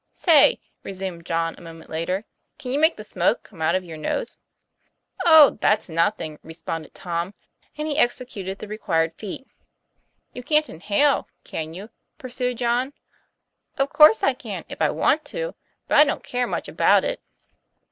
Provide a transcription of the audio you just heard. "Say," resumed John, a moment later, "can you make the smoke come out of your nose?" "Oh! that's nothing," responded Tom; and he executed the required feat. "You can't inhale can you?" pursued John. "Of course I can, if I want to; but I don't care much about it."